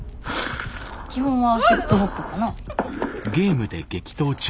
・基本はヒップホップかな。